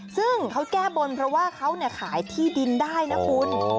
ซึ่งเขาแก้บนเพราะว่าเขาขายที่ดินได้นะคุณ